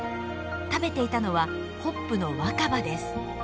食べていたのはホップの若葉です。